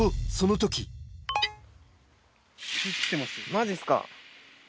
マジっすか。